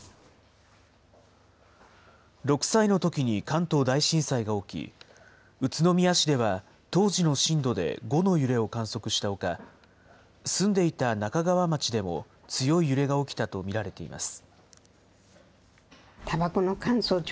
６歳のときに関東大震災が起き、宇都宮市では当時の震度で５の揺れを観測したほか、住んでいた那珂川町でも、強い揺れが起きたと見られています。